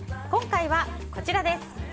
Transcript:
今回は、こちらです。